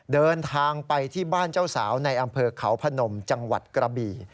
เดินทางไปที่บ้านเจ้าสาวในอำเภอเขาพนมจังหวัดกระบี่